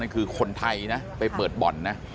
คือคนไทยนะไปเปิดบ่อนนะ